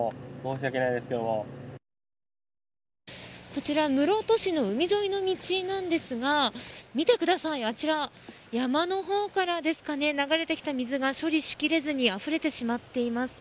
こちら室戸市の海沿いの道なんですが見てください、あちら山の方からですかね流れてきた水が処理しきれずにあふれてしまっています。